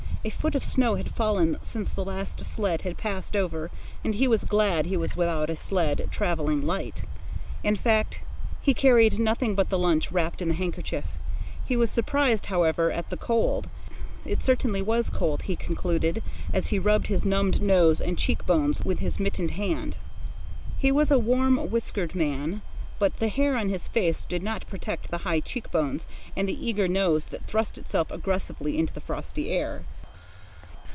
A foot of snow had fallen since the last sled had passed over, and he was glad he was without a sled, travelling light. In fact, he carried nothing but the lunch wrapped in the handkerchief. He was surprised, however, at the cold. It certainly was cold, he concluded, as he rubbed his numbed nose and cheek bones with his mittened hand. He was a warm whiskered man, but the hair on his face did not protect the high cheek bones and the eager nose that thrust itself aggressively into the frosty air.